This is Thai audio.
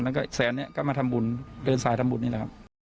แล้วก็แสนเนี่ยก็มาทำบุญเดินสายทำบุญนี่แหละครับ